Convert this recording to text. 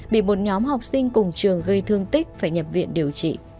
bị một nhóm học sinh cùng trường gây thương tích phải nhập viện điều trị